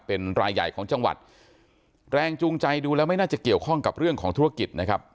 เป็นรายใหญ่ของจังหวัดแรงจูงใจดูแล้วไม่น่าจะเกี่ยวข้องกับเรื่องของธุรกิจนะครับ